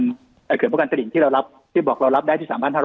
ในการเตรียมพวกรรติกที่เรารับที่บอกเรารับได้ที่สามารถ